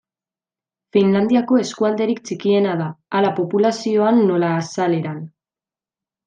Finlandiako Eskualderik txikiena da, hala populazioan nola azaleran.